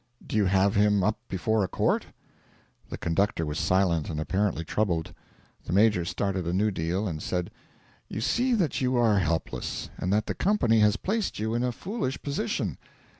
'Do you have him up before a court?' The conductor was silent and apparently troubled. The Major started a new deal, and said: 'You see that you are helpless, and that the company has placed you in a foolish position.